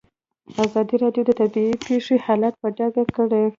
ازادي راډیو د طبیعي پېښې حالت په ډاګه کړی.